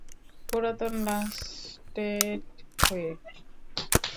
পুরাতন ল্যাস্টেট হয়ে।